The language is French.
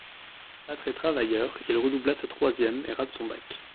Pas très travailleur, il redouble sa troisième et rate son bac.